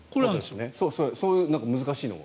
そういう難しいのを。